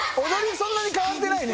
そんなに変わってないね。